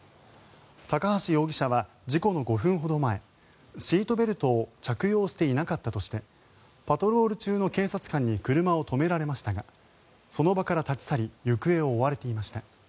高橋容疑者は事故の５分ほど前シートベルトを着用していなかったとしてパトロール中の警察官に車を止められましたがその場から立ち去り行方を追われていました。